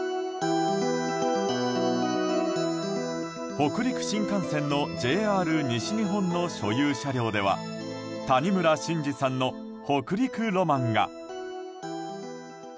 北陸新幹線のＪＲ西日本の所有車両では谷村新司さんの「北陸ロマン」が。